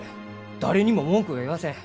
誰にも文句は言わせん。